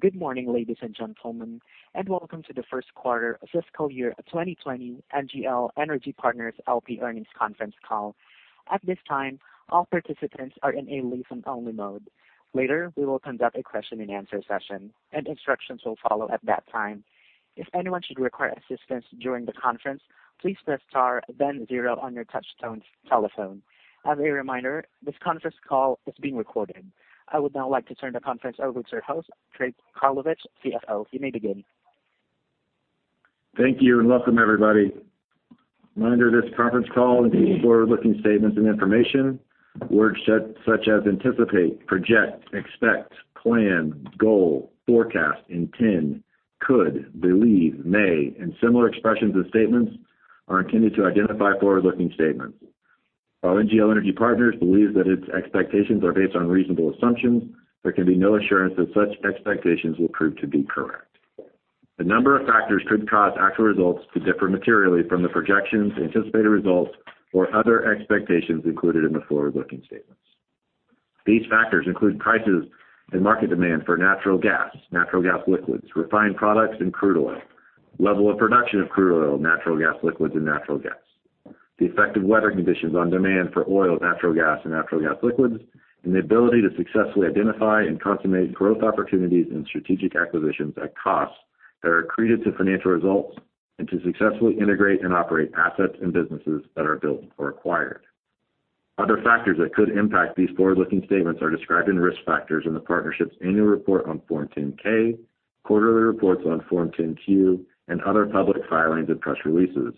Good morning, ladies and gentlemen. Welcome to the first quarter fiscal year 2020 NGL Energy Partners LP Earnings Conference Call. At this time, all participants are in a listen-only mode. Later, we will conduct a question and answer session. Instructions will follow at that time. If anyone should require assistance during the conference, please press star then zero on your touchtone telephone. As a reminder, this conference call is being recorded. I would now like to turn the conference over to your host, Trey Karlovich, CFO. You may begin. Thank you, and welcome everybody. Reminder, this conference call and forward-looking statements and information, words such as anticipate, project, expect, plan, goal, forecast, intend, could, believe, may, and similar expressions and statements are intended to identify forward-looking statements. While NGL Energy Partners believes that its expectations are based on reasonable assumptions, there can be no assurance that such expectations will prove to be correct. A number of factors could cause actual results to differ materially from the projections, anticipated results, or other expectations included in the forward-looking statements. These factors include prices and market demand for natural gas, natural gas liquids, refined products, and crude oil. Level of production of crude oil, natural gas liquids, and natural gas. The effect of weather conditions on demand for oil, natural gas, and natural gas liquids, and the ability to successfully identify and consummate growth opportunities and strategic acquisitions at costs that are accretive to financial results, and to successfully integrate and operate assets and businesses that are built or acquired. Other factors that could impact these forward-looking statements are described in risk factors in the partnership's annual report on Form 10-K, quarterly reports on Form 10-Q, and other public filings and press releases.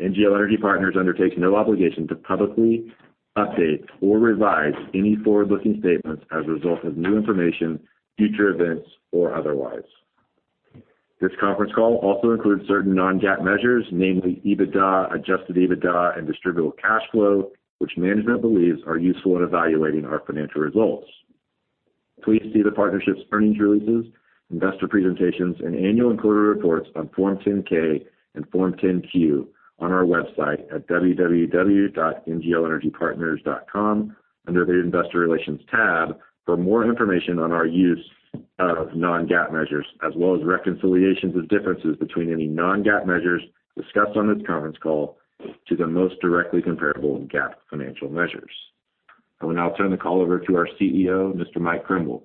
NGL Energy Partners undertakes no obligation to publicly update or revise any forward-looking statements as a result of new information, future events, or otherwise. This conference call also includes certain non-GAAP measures, namely EBITDA, adjusted EBITDA, and distributable cash flow, which management believes are useful in evaluating our financial results. Please see the partnership's earnings releases, investor presentations, and annual and quarterly reports on Form 10-K and Form 10-Q on our website at www.nglenergypartners.com under the investor relations tab for more information on our use of non-GAAP measures, as well as reconciliations of differences between any non-GAAP measures discussed on this conference call to the most directly comparable GAAP financial measures. I will now turn the call over to our CEO, Mr. Mike Krimbill.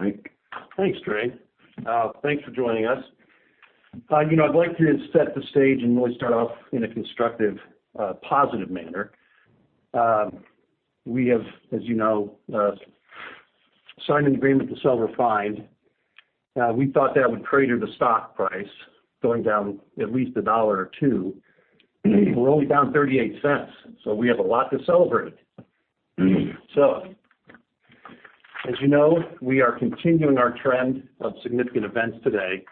Mike? Thanks, Trey. Thanks for joining us. I'd like to set the stage and really start off in a constructive, positive manner. We have, as you know, signed an agreement to sell Refined. We thought that would crater the stock price going down at least $1 or $2. We're only down $0.38, we have a lot to celebrate. As you know, we are continuing our trend of significant events today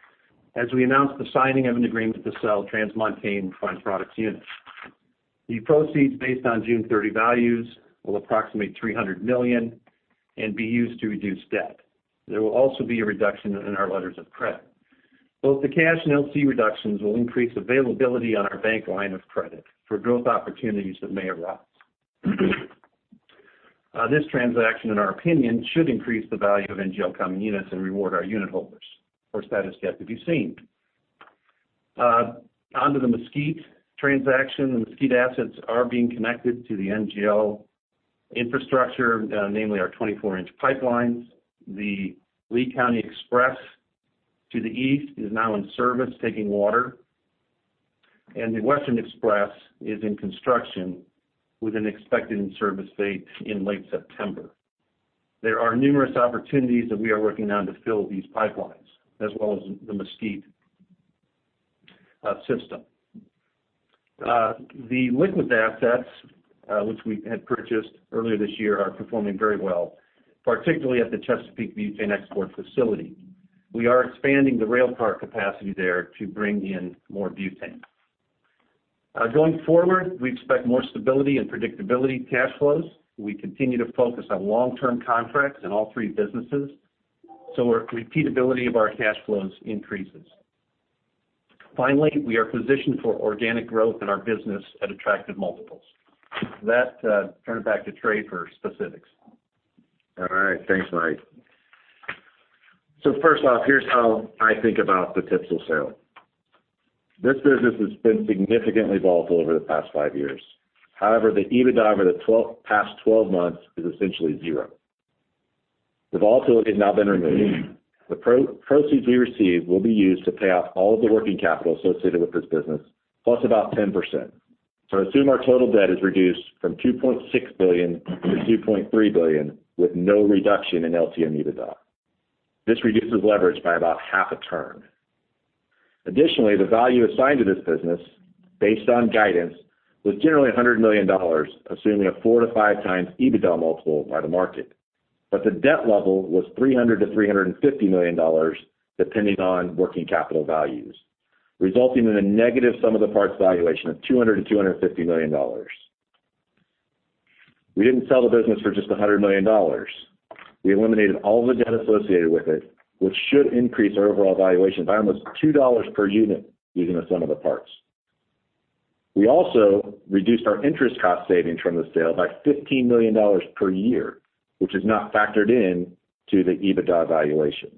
as we announce the signing of an agreement to sell TransMontaigne Refined Products unit. The proceeds based on June 30 values will approximate $300 million and be used to reduce debt. There will also be a reduction in our letters of credit. Both the cash and LC reductions will increase availability on our bank line of credit for growth opportunities that may arise. This transaction, in our opinion, should increase the value of NGL common units and reward our unit holders. Of course, that is yet to be seen. On to the Mesquite transaction. The Mesquite assets are being connected to the NGL infrastructure, namely our 24-inch pipelines. The Lea County Express to the east is now in service, taking water. The Western Express is in construction with an expected in-service date in late September. There are numerous opportunities that we are working on to fill these pipelines, as well as the Mesquite system. The liquids assets, which we had purchased earlier this year, are performing very well, particularly at the Chesapeake butane export facility. We are expanding the rail car capacity there to bring in more butane. Going forward, we expect more stability and predictability in cash flows. We continue to focus on long-term contracts in all three businesses, so our repeatability of our cash flows increases. Finally, we are positioned for organic growth in our business at attractive multiples. With that, turn it back to Trey for specifics. All right. Thanks, Mike. First off, here's how I think about the TPSL sale. This business has been significantly volatile over the past five years. However, the EBITDA over the past 12 months is essentially zero. The volatility has now been removed. The proceeds we receive will be used to pay off all of the working capital associated with this business, plus about 10%. Assume our total debt is reduced from $2.6 billion to $2.3 billion with no reduction in LTM EBITDA. This reduces leverage by about half a turn. Additionally, the value assigned to this business, based on guidance, was generally $100 million, assuming a 4x-5x EBITDA multiple by the market. The debt level was $300 million-$350 million, depending on working capital values, resulting in a negative sum-of-the-parts valuation of $200 million-$250 million. We didn't sell the business for just $100 million. We eliminated all the debt associated with it, which should increase our overall valuation by almost $2 per unit using the sum of the parts. We also reduced our interest cost savings from the sale by $15 million per year, which is not factored in to the EBITDA valuation.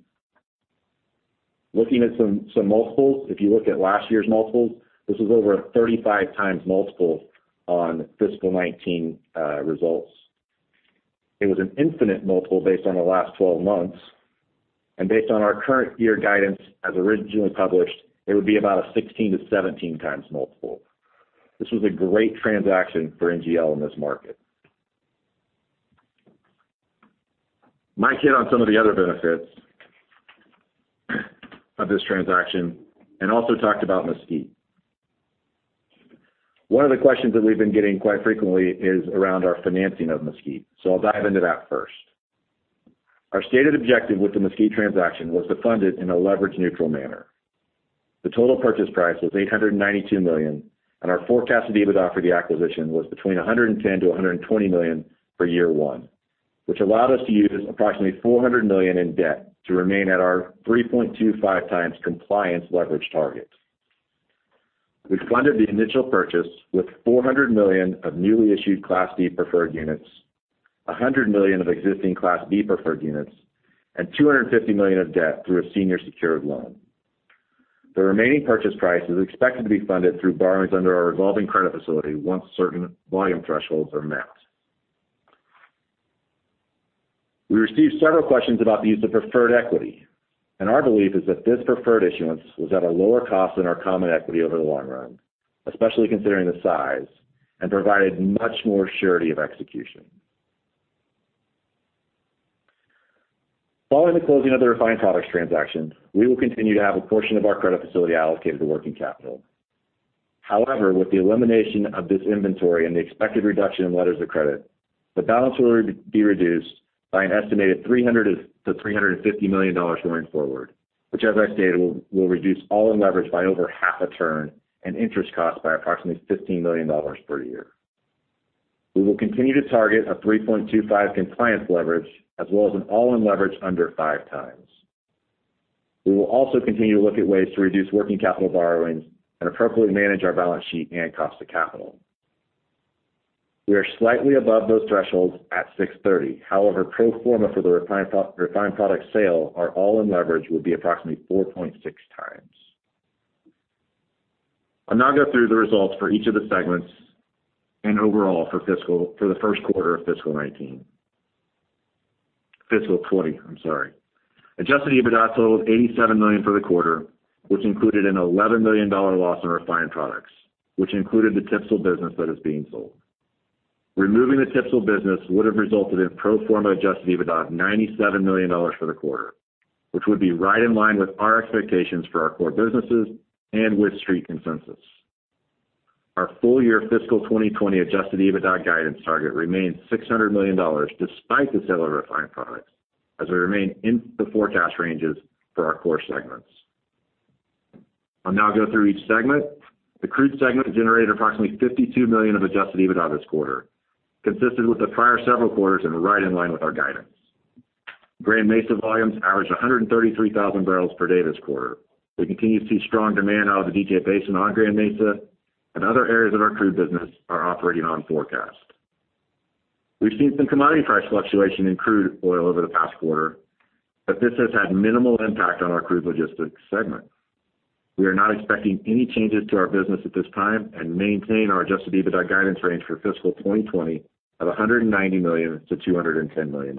Looking at some multiples, if you look at last year's multiples, this is over a 35x multiple on fiscal 2019 results. It was an infinite multiple based on the last 12 months, and based on our current year guidance as originally published, it would be about a 16x-17x multiple. This was a great transaction for NGL in this market. Mike hit on some of the other benefits of this transaction and also talked about Mesquite. One of the questions that we've been getting quite frequently is around our financing of Mesquite. I'll dive into that first. Our stated objective with the Mesquite transaction was to fund it in a leverage neutral manner. The total purchase price was $892 million, and our forecast of EBITDA for the acquisition was between $110 million to $120 million for year one, which allowed us to use approximately $400 million in debt to remain at our 3.25x compliance leverage target. We funded the initial purchase with $400 million of newly issued Class B preferred units, $100 million of existing Class B preferred units, and $250 million of debt through a senior secured loan. The remaining purchase price is expected to be funded through borrowings under our revolving credit facility once certain volume thresholds are met. We received several questions about the use of preferred equity, and our belief is that this preferred issuance was at a lower cost than our common equity over the long run, especially considering the size, and provided much more surety of execution. Following the closing of the Refined Products transaction, we will continue to have a portion of our credit facility allocated to working capital. However, with the elimination of this inventory and the expected reduction in letters of credit, the balance will be reduced by an estimated $300 million-$350 million going forward, which as I stated, will reduce all-in leverage by over half a turn and interest costs by approximately $15 million per year. We will continue to target a 3.25x compliance leverage, as well as an all-in leverage under 5x. We will also continue to look at ways to reduce working capital borrowings and appropriately manage our balance sheet and cost of capital. We are slightly above those thresholds at 6/30. However, pro forma for the Refined Products sale, our all-in leverage would be approximately 4.6x. I'll now go through the results for each of the segments and overall for the first quarter of fiscal 2019. FY 2020, I'm sorry. Adjusted EBITDA totaled $87 million for the quarter, which included an $11 million loss in Refined Products, which included the TPSL business that is being sold. Removing the TPSL business would have resulted in pro forma adjusted EBITDA of $97 million for the quarter, which would be right in line with our expectations for our core businesses and with Street Consensus. Our full year fiscal 2020 adjusted EBITDA guidance target remains $600 million despite the sale of Refined Products, as we remain in the forecast ranges for our core segments. I'll now go through each segment. The crude segment generated approximately $52 million of adjusted EBITDA this quarter, consistent with the prior several quarters and right in line with our guidance. Grand Mesa volumes averaged 133,000 barrels per day this quarter. We continue to see strong demand out of the DJ Basin on Grand Mesa and other areas of our crude business are operating on forecast. We've seen some commodity price fluctuation in crude oil over the past quarter, but this has had minimal impact on our crude logistics segment. We are not expecting any changes to our business at this time and maintain our adjusted EBITDA guidance range for fiscal 2020 of $190 million-$210 million.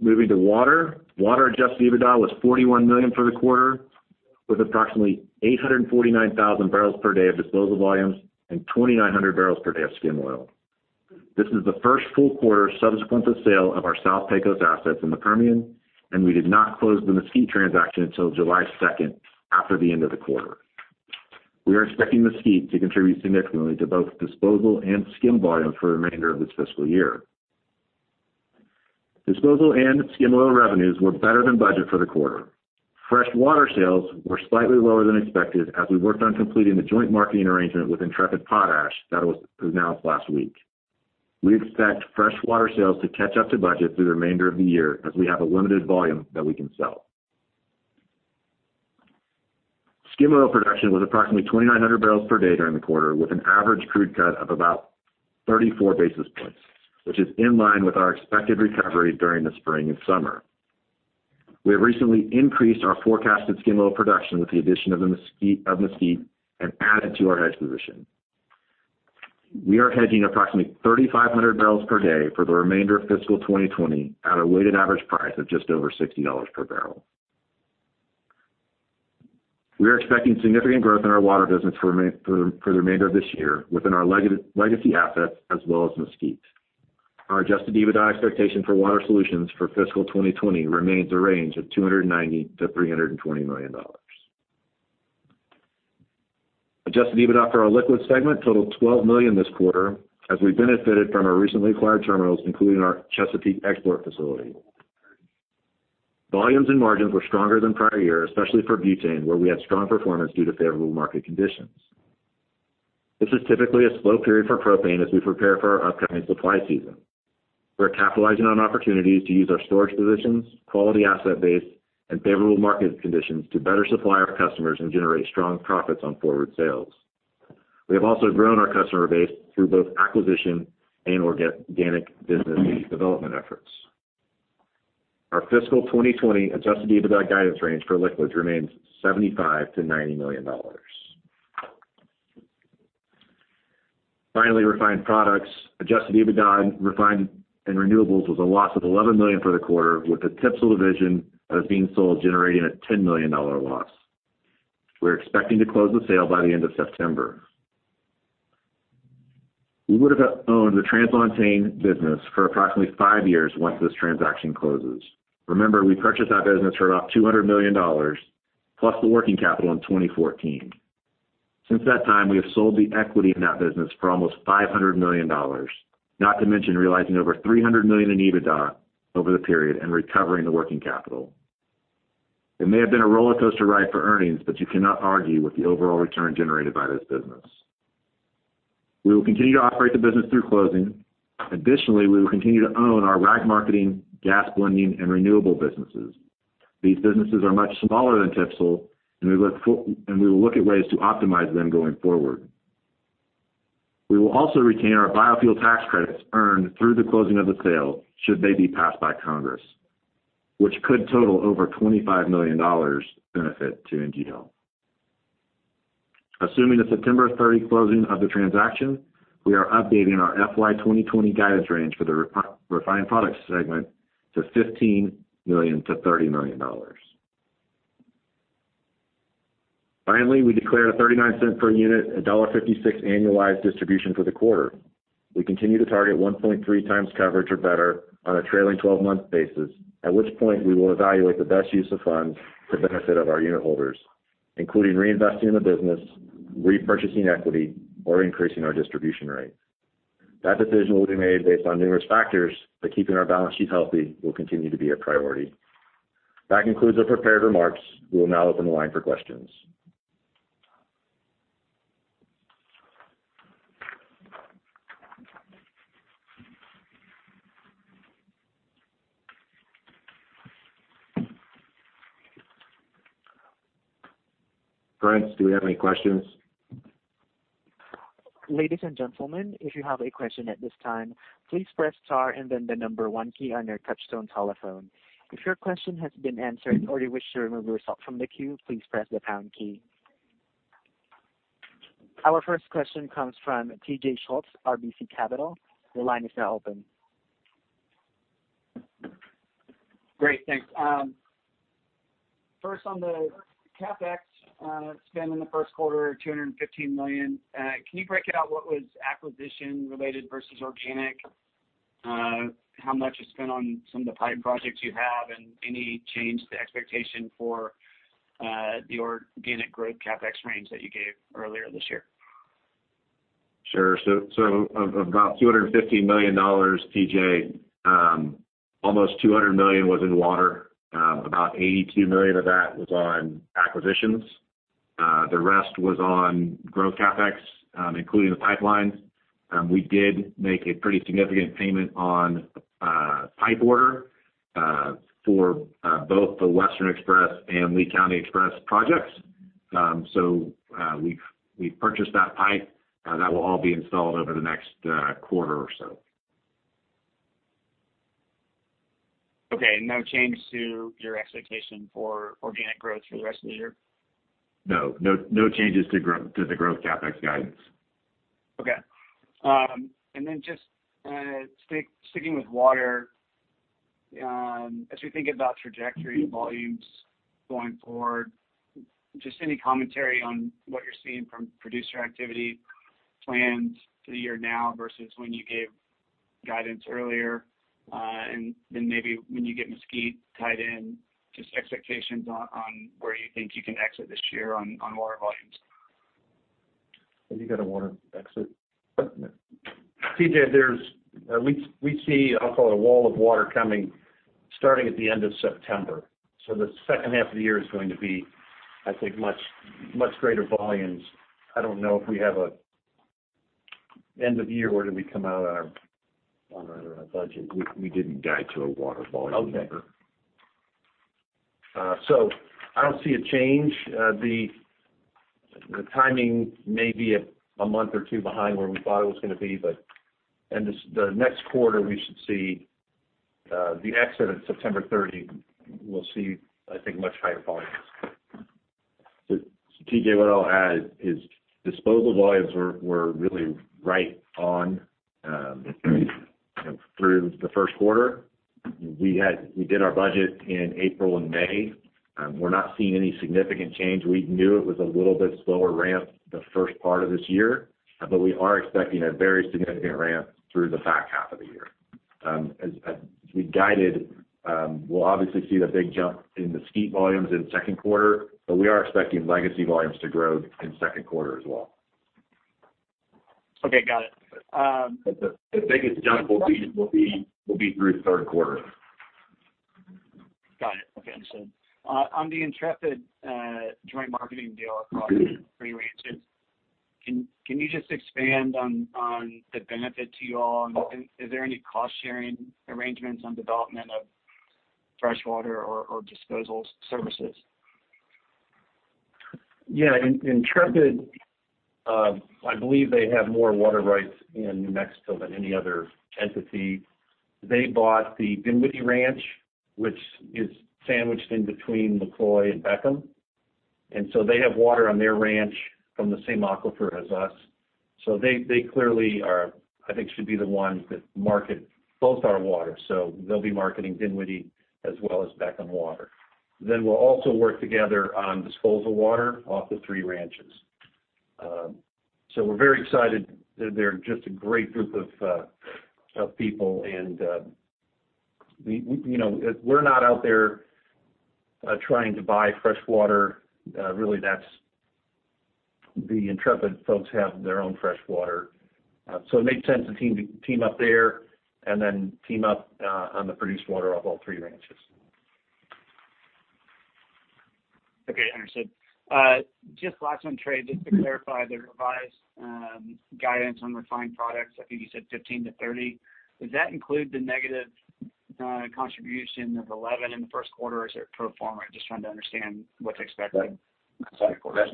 Moving to Water. Water adjusted EBITDA was $41 million for the quarter, with approximately 849,000 barrels per day of disposal volumes and 2,900 barrels per day of skim oil. This is the first full quarter subsequent to sale of our South Pecos assets in the Permian, and we did not close the Mesquite transaction until July second, after the end of the quarter. We are expecting Mesquite to contribute significantly to both disposal and skim volume for the remainder of this fiscal year. Disposal and skim oil revenues were better than budget for the quarter. Fresh water sales were slightly lower than expected as we worked on completing the joint marketing arrangement with Intrepid Potash that was announced last week. We expect fresh water sales to catch up to budget through the remainder of the year as we have a limited volume that we can sell. Skim oil production was approximately 2,900 barrels per day during the quarter with an average crude cut of about 34 basis points, which is in line with our expected recovery during the spring and summer. We have recently increased our forecasted skim oil production with the addition of Mesquite and added to our hedge position. We are hedging approximately 3,500 barrels per day for the remainder of fiscal 2020 at a weighted average price of just over $60 per barrel. We are expecting significant growth in our Water Solutions for the remainder of this year within our legacy assets as well as Mesquite. Our Adjusted EBITDA expectation for Water Solutions for FY 2020 remains a range of $290 million-$320 million. Adjusted EBITDA for our liquids segment totaled $12 million this quarter, as we benefited from our recently acquired terminals, including our Chesapeake export facility. Volumes and margins were stronger than prior year, especially for butane, where we had strong performance due to favorable market conditions. This is typically a slow period for propane as we prepare for our upcoming supply season. We're capitalizing on opportunities to use our storage positions, quality asset base, and favorable market conditions to better supply our customers and generate strong profits on forward sales. We have also grown our customer base through both acquisition and organic business development efforts. Our fiscal 2020 adjusted EBITDA guidance range for liquids remains $75 million-$90 million. Finally, Refined Products. Adjusted EBITDA in Refined and renewables was a loss of $11 million for the quarter, with the TPSL division that is being sold generating a $10 million loss. We're expecting to close the sale by the end of September. We would have owned the TransMontaigne business for approximately five years once this transaction closes. Remember, we purchased that business for about $200 million plus the working capital in 2014. Since that time, we have sold the equity in that business for almost $500 million, not to mention realizing over $300 million in EBITDA over the period and recovering the working capital. It may have been a rollercoaster ride for earnings, but you cannot argue with the overall return generated by this business. We will continue to operate the business through closing. Additionally, we will continue to own our rack marketing, gas blending, and renewable businesses. These businesses are much smaller than TPSL, and we will look at ways to optimize them going forward. We will also retain our biofuel tax credits earned through the closing of the sale, should they be passed by Congress, which could total over $25 million benefit to NGL. Assuming a September 30 closing of the transaction, we are updating our FY 2020 guidance range for the Refined Products segment to $15 million-$30 million. Finally, we declared a $0.39 per unit, $1.56 annualized distribution for the quarter. We continue to target 1.3x coverage or better on a trailing 12-month basis, at which point we will evaluate the best use of funds for the benefit of our unit holders, including reinvesting in the business, repurchasing equity, or increasing our distribution rate. That decision will be made based on numerous factors but keeping our balance sheet healthy will continue to be a priority. That concludes our prepared remarks. We will now open the line for questions. Brent, do we have any questions? Ladies and gentlemen, if you have a question at this time, please press star and then the number one key on your touchtone telephone. If your question has been answered or you wish to remove yourself from the queue, please press the pound key. Our first question comes from TJ Schultz, RBC Capital. Your line is now open. Great. Thanks. First on the CapEx spend in the first quarter, $215 million. Can you break it out what was acquisition-related versus organic? How much is spent on some of the pipe projects you have, and any change to the expectation for the organic growth CapEx range that you gave earlier this year? Sure. Of about $250 million, TJ, almost $200 million was in water. About $82 million of that was on acquisitions. The rest was on growth CapEx, including the pipelines. We did make a pretty significant payment on a pipe order for both the Western Express and Lea County Express projects. We purchased that pipe. That will all be installed over the next quarter or so. Okay. No change to your expectation for organic growth for the rest of the year? No. No changes to the growth CapEx guidance. Okay. Just sticking with water, as we think about trajectory volumes going forward, just any commentary on what you're seeing from producer activity plans for the year now versus when you gave guidance earlier? Maybe when you get Mesquite tied in, just expectations on where you think you can exit this year on water volumes? Have you got a water exit? TJ, we see, I'll call it a wall of water coming, starting at the end of September. The second half of the year is going to be, I think, much greater volumes. I don't know if we have an end of year where do we come out on our budget. We didn't guide to a water volume number. Okay. I don't see a change. The timing may be a month or two behind where we thought it was going to be, but the next quarter, we should see the exit at September 30, we'll see, I think, much higher volumes. TJ, what I'll add is disposal volumes were really right on through the first quarter. We did our budget in April and May. We're not seeing any significant change. We knew it was a little bit slower ramp the first part of this year. We are expecting a very significant ramp through the back half of the year. As we guided, we'll obviously see the big jump in Mesquite volumes in the second quarter, but we are expecting legacy volumes to grow in the second quarter as well. Okay. Got it. The biggest jump will be through the third quarter. Got it. Understood. On the Intrepid joint marketing deal across three ranches, can you just expand on the benefit to you all? Is there any cost-sharing arrangements on development of freshwater or disposal services? Yeah. Intrepid, I believe they have more water rights in New Mexico than any other entity. They bought the Dinwiddie Ranch, which is sandwiched in between McCloy and Beckham, and so they have water on their ranch from the same aquifer as us. They clearly, I think, should be the ones that market both our water. They'll be marketing Dinwiddie as well as Beckham water. We'll also work together on disposal water off the three ranches. We're very excited. They're just a great group of people. We're not out there trying to buy freshwater. Really, the Intrepid folks have their own freshwater. It made sense to team up there and then team up on the produced water off all three ranches. Okay, understood. Just last one, Trey, just to clarify the revised guidance on refined products. I think you said $15-$30. Does that include the negative contribution of $11 in the first quarter, or is it pro forma? I'm just trying to understand what to expect in the second quarter.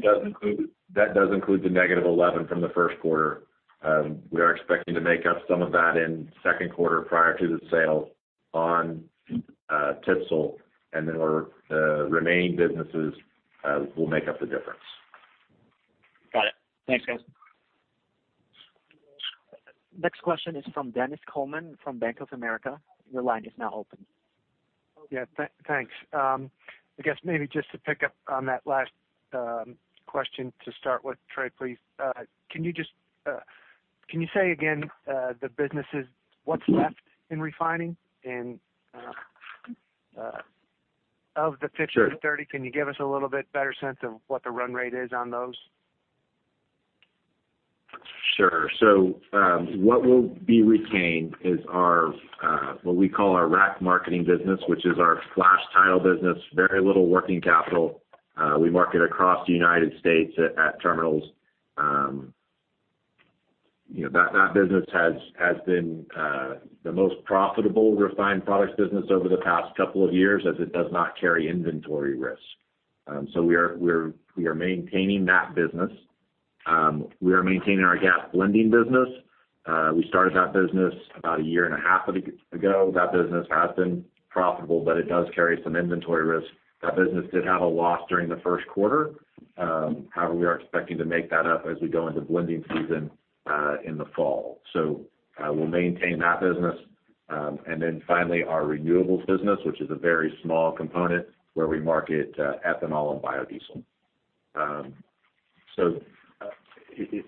That does include the -$11 from the first quarter. We are expecting to make up some of that in the second quarter prior to the sale on TPSL and then our remaining businesses will make up the difference. Got it. Thanks, guys. Next question is from Dennis Coleman from Bank of America. Your line is now open. Yeah, thanks. I guess maybe just to pick up on that last question to start with, Trey, please. Can you say again the businesses, what's left in refining? Of the $15 million-$30 million, can you give us a little bit better sense of what the run rate is on those? Sure. What will be retained is our what we call our rack marketing business, which is our flash title business. Very little working capital. We market across the U.S. at terminals. That business has been the most profitable Refined Products business over the past couple of years as it does not carry inventory risk. We are maintaining that business. We are maintaining our gas blending business. We started that business about a year and a half ago. That business has been profitable, but it does carry some inventory risk. That business did have a loss during the first quarter. However, we are expecting to make that up as we go into blending season in the fall. We'll maintain that business. Finally, our renewables business, which is a very small component, where we market ethanol and biodiesel.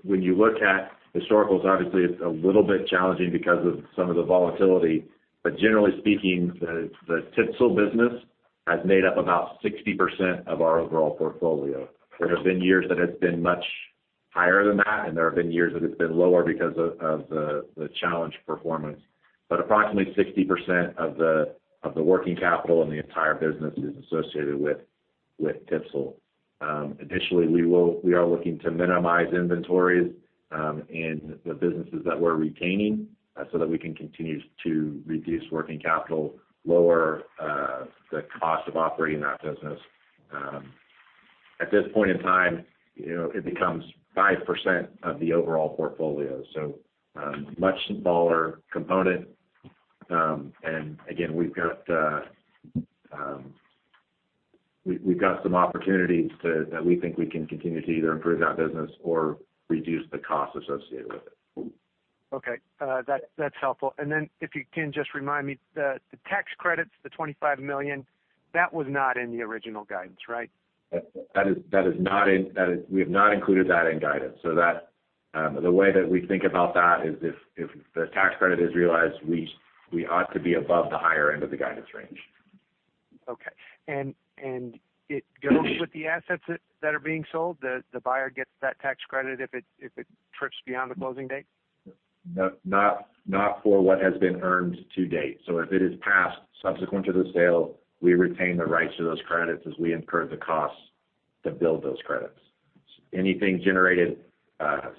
When you look at historicals, obviously it's a little bit challenging because of some of the volatility, but generally speaking, the TPSL business has made up about 60% of our overall portfolio. There have been years that it's been much higher than that, and there have been years that it's been lower because of the challenge performance. Approximately 60% of the working capital in the entire business is associated with TPSL. Additionally, we are looking to minimize inventories in the businesses that we're retaining so that we can continue to reduce working capital, lower the cost of operating that business. At this point in time, it becomes 5% of the overall portfolio, so much smaller component. Again, we've got some opportunities that we think we can continue to either improve that business or reduce the cost associated with it. Okay. That's helpful. If you can just remind me, the tax credits, the $25 million, that was not in the original guidance, right? We have not included that in guidance. The way that we think about that is if the tax credit is realized, we ought to be above the higher end of the guidance range. Okay. It goes with the assets that are being sold? The buyer gets that tax credit if it trips beyond the closing date? Not for what has been earned to date. If it is passed subsequent to the sale, we retain the rights to those credits as we incur the costs to build those credits. Anything generated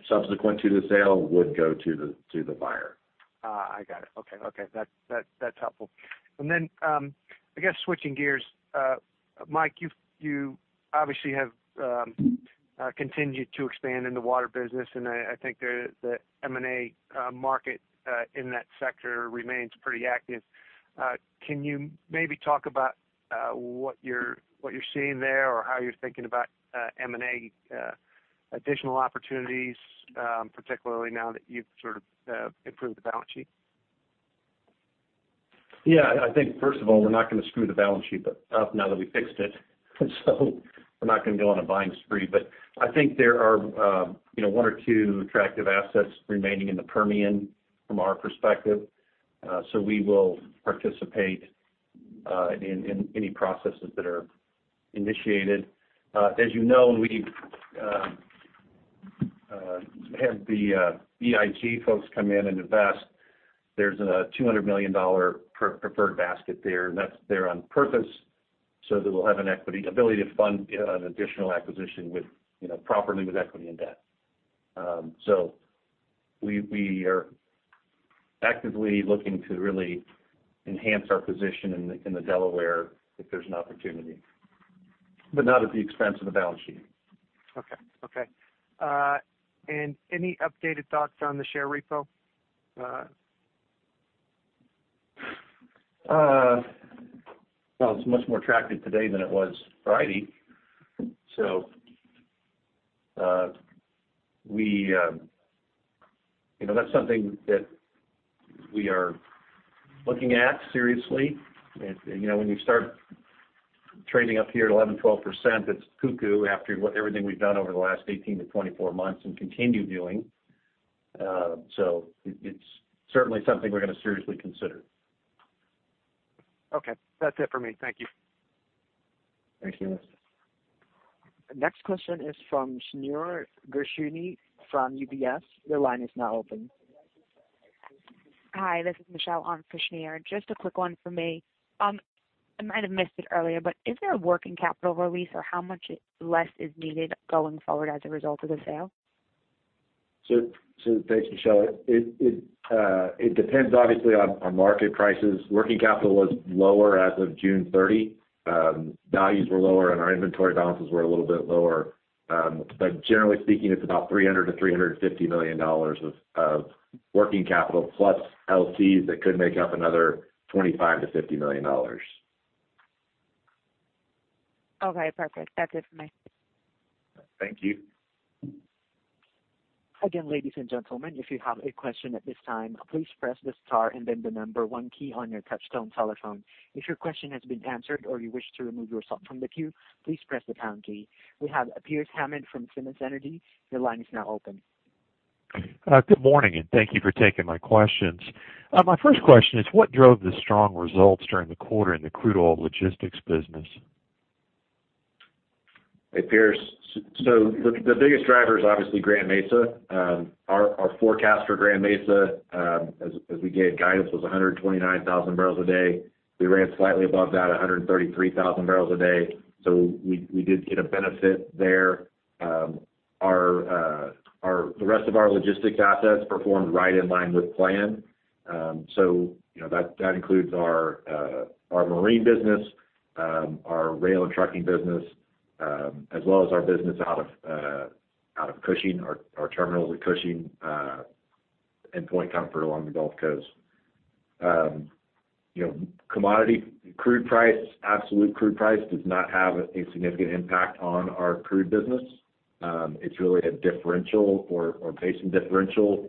subsequent to the sale would go to the buyer. I got it. Okay. That's helpful. I guess switching gears. Mike, you obviously have continued to expand in the water business, and I think the M&A market in that sector remains pretty active. Can you maybe talk about what you're seeing there or how you're thinking about M&A additional opportunities, particularly now that you've sort of improved the balance sheet? I think first of all, we're not going to screw the balance sheet up now that we fixed it. We're not going to go on a buying spree. I think there are one or two attractive assets remaining in the Permian from our perspective. We will participate in any processes that are initiated. As you know, we've had the EIG folks come in and invest. There's a $200 million preferred basket there, and that's there on purpose, so that we'll have an ability to fund an additional acquisition properly with equity and debt. We are actively looking to really enhance our position in the Delaware if there's an opportunity, but not at the expense of the balance sheet. Okay. Any updated thoughts on the share repo? Well, it's much more attractive today than it was Friday. That's something that we are looking at seriously. When you start trading up here at 11%, 12%, it's cuckoo after everything we've done over the last 18-24 months and continue doing. It's certainly something we're going to seriously consider. Okay. That's it for me. Thank you. Thank you. Next question is from Shneur Gershuni from UBS. Your line is now open. Hi, this is Michelle on for Shneur. Just a quick one from me. I might have missed it earlier, is there a working capital release or how much less is needed going forward as a result of the sale? Thanks, Michelle. It depends obviously on market prices. Working capital was lower as of June 30. Values were lower and our inventory balances were a little bit lower. Generally speaking, it's about $300 million-$350 million of working capital plus LCs that could make up another $25 million-$50 million. Okay, perfect. That's it for me. Thank you. Again, ladies and gentlemen, if you have a question at this time, please press the star and then the number one key on your touchtone telephone. If your question has been answered or you wish to remove yourself from the queue, please press the pound key. We have Pearce Hammond from Simmons Energy. Your line is now open. Good morning. Thank you for taking my questions. My first question is what drove the strong results during the quarter in the Crude Oil Logistics business? Hey, Pearce. The biggest driver is obviously Grand Mesa. Our forecast for Grand Mesa, as we gave guidance, was 129,000 barrels a day. We ran slightly above that, 133,000 barrels a day. We did get a benefit there. The rest of our logistics assets performed right in line with plan. That includes our marine business, our rail and trucking business, as well as our business out of Cushing, our terminals at Cushing, and Point Comfort along the Gulf Coast. Commodity crude price, absolute crude price, does not have a significant impact on our crude business. It's really a differential or pacing differential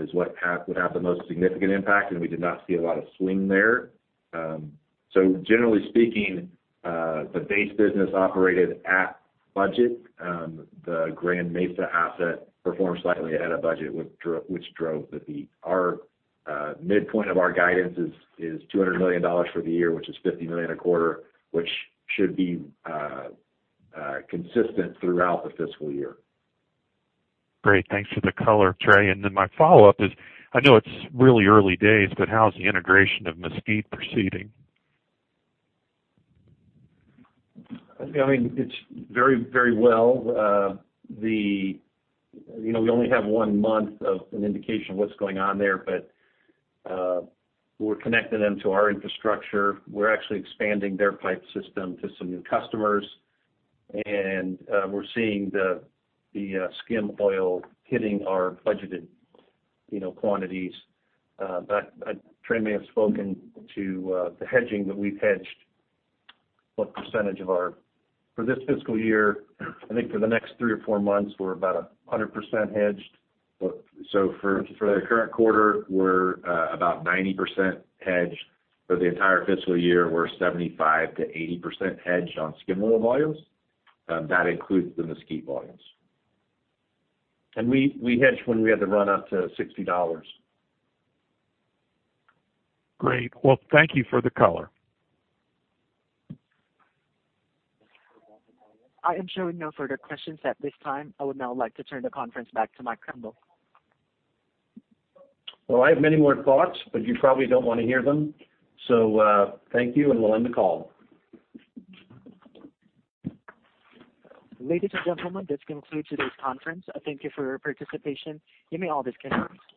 is what would have the most significant impact, and we did not see a lot of swing there. Generally speaking, the base business operated at budget. The Grand Mesa asset performed slightly ahead of budget, which drove our midpoint of our guidance is $200 million for the year, which is $50 million a quarter, which should be consistent throughout the fiscal year. Great. Thanks for the color, Trey. My follow-up is, I know it's really early days, but how is the integration of Mesquite proceeding? It's going very well. We only have one month of an indication of what's going on there, but we're connecting them to our infrastructure. We're actually expanding their pipe system to some new customers. We're seeing the skim oil hitting our budgeted quantities. Trey may have spoken to the hedging that we've hedged for this fiscal year, I think for the next three or four months, we're about 100% hedged. For the current quarter, we're about 90% hedged. For the entire fiscal year, we're 75%-80% hedged on skim oil volumes. That includes the Mesquite volumes. We hedged when we had the run up to $60. Great. Well, thank you for the color. I am showing no further questions at this time. I would now like to turn the conference back to Mike Krimbill. Well, I have many more thoughts, but you probably don't want to hear them. Thank you, and we'll end the call. Ladies and gentlemen, this concludes today's conference. Thank you for your participation. You may all disconnect.